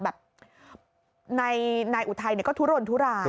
แบบนายอุทัยก็ทุรนทุราย